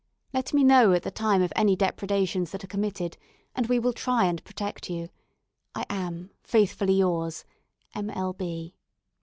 Let me know at the time of any depredations that are committed, and we will try and protect you. I am, faithfully yours, "M. L. B